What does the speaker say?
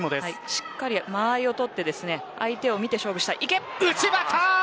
しっかり間合いを取って相手と勝負したい。